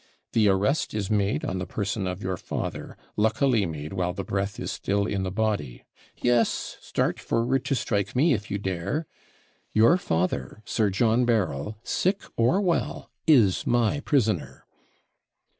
The arrest is made on the person of your father, luckily made while the breath is still in the body. Yes start forward to strike me, if you dare your father, Sir John Berryl, sick or well, is my prisoner.'